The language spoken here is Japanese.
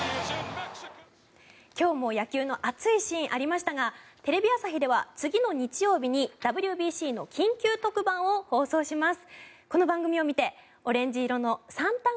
今日も野球の熱いシーンありましたがテレビ朝日では次の日曜日にＷＢＣの緊急特番を放送します。